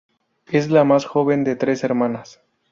Es la más joven de tres hermanas.